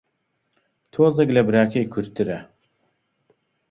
تۆزێک لە براکەی کورتترە